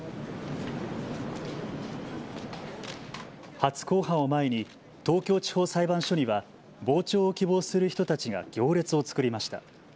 初公判を前に東京地方裁判所には傍聴を希望する人たちが行列を作りました。